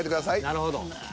なるほど。